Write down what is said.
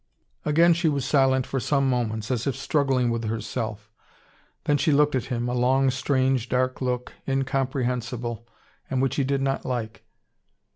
Again she was silent for some moments, as if struggling with herself. Then she looked at him a long, strange, dark look, incomprehensible, and which he did not like.